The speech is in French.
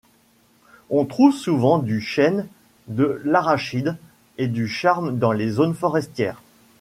On trouve souvent du chêne, de l'arachide et du charme dans les zones forestières.